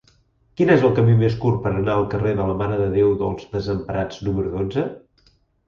Quin és el camí més curt per anar al carrer de la Mare de Déu dels Desemparats número dotze?